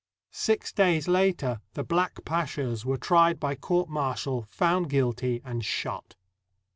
Six days later, the black pashas were tried by court martial, found guilty, and shot.